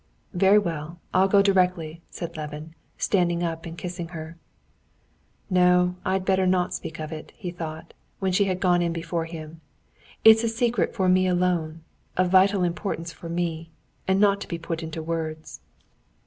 "Very well, I'll go directly," said Levin, standing up and kissing her. "No, I'd better not speak of it," he thought, when she had gone in before him. "It is a secret for me alone, of vital importance for me, and not to be put into words.